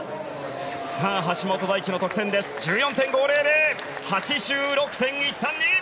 橋本大輝の得点です。１４．５００！８６．１３２！